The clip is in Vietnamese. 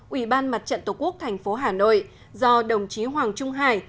ủy ban mặt trận tổ quốc thành phố hà nội do đồng chí hoàng trung hải